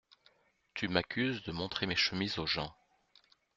Tu m’accuses de montrer mes chemises aux gens !